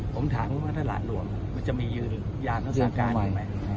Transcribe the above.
ผมถามหัวถ้าหลานหลวงมียืนยาวทรสการอยู่ไหม